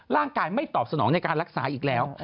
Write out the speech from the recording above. ร่างกายไม่ตอบสนองในการรักษาอีกแล้ว